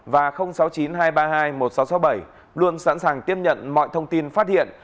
và sáu mươi chín hai trăm ba mươi hai một nghìn sáu trăm sáu mươi bảy luôn sẵn sàng tiếp nhận mọi thông tin phát hiện